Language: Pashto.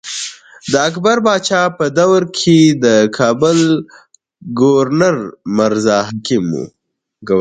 د اکبر باچا په دور کښې د کابل ګورنر مرزا حکيم وو۔